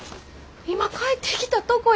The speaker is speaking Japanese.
今帰ってきたとこやんか。